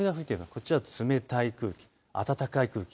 こちら冷たい空気、暖かい空気